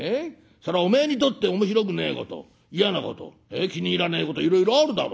そらおめえにとって面白くねえこと嫌なこと気に入らねえこといろいろあるだろうよ。